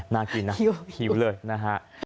น่ากินนะหิวเลยนะฮะ